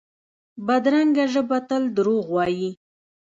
بدرنګه ژبه تل دروغ وايي